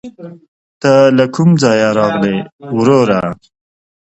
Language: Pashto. ته له کوم ځايه راغلې ؟ وروره